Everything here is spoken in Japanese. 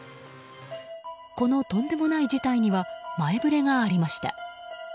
このとんでもない事態には前触れがありました。